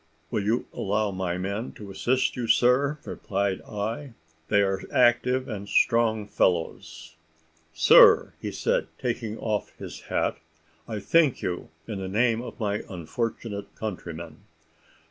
"Will you allow my men to assist you, sir?" replied I. "They are active and strong fellows." "Sir," said he, taking off his hat, "I thank you in the name of my unfortunate countrymen."